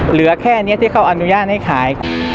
เหลือแค่นี้ที่เขาอนุญาตให้ขาย